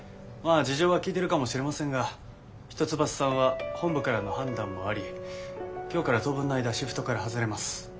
あ事情は聞いてるかもしれませんが一橋さんは本部からの判断もあり今日から当分の間シフトから外れます。